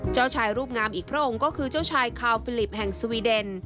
เจ้าชายรูปงามอีกพระองค์ก็คือเจ้าชายคาวฟิลิปแห่งสวีเดน